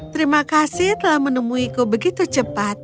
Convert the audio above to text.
terima kasih telah menemuiku begitu cepat